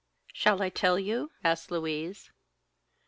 "Shall I tell you?" asked Louise.